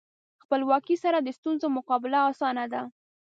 خپلواکۍ سره د ستونزو مقابله اسانه ده.